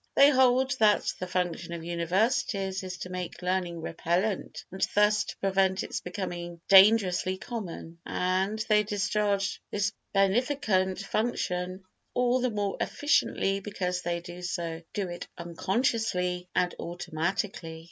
They hold that the function of universities is to make learning repellent and thus to prevent its becoming dangerously common. And they discharge this beneficent function all the more efficiently because they do it unconsciously and automatically.